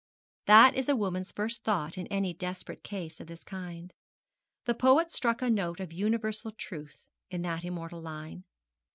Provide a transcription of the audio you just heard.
That is a woman's first thought in any desperate case of this kind. The poet struck a note of universal truth in that immortal line.